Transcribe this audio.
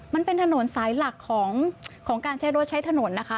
มันเป็นถนนสายหลักของการใช้รถใช้ถนนนะคะ